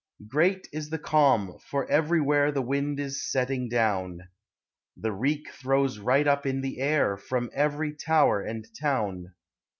Great is the calm, for everywhere The wind is setting down, The reek throws right up in the air From every tower and town.